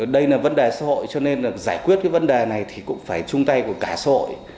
đây là vấn đề xã hội cho nên là giải quyết cái vấn đề này thì cũng phải chung tay của cả xã hội